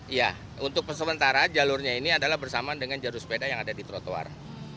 iya untuk sementara jalurnya ini adalah bersama dengan jalur sepeda yang ada di trotoar